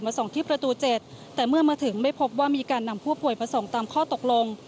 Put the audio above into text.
ส่งที่ประตู๗แต่เมื่อมาถึงไม่พบว่ามีการนำผู้ป่วยมาส่งตามข้อตกลง